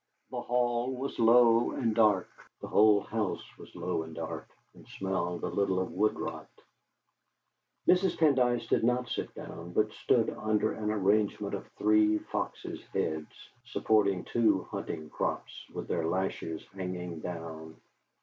The hall was low and dark; the whole house was low and dark, and smelled a little of woodrot. Mrs. Pendyce did not sit down, but stood under an arrangement of three foxes' heads, supporting two hunting crops, with their lashes hanging down.